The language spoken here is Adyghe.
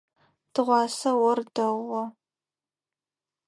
Тыгъуасэ ор дэгъугъэ.